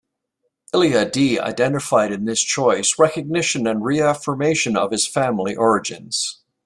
Ilaiah d identified in this choice recognition and reaffirmation of his family origins.